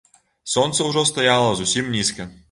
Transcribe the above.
Сонца ўжо стаяла зусім нізка.